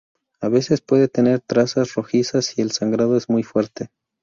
A veces puede tener trazas rojizas si el sangrado es muy fuerte.